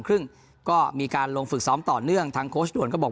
ครึ่งก็มีการลงฝึกซ้อมต่อเนื่องทางโค้ชด่วนก็บอก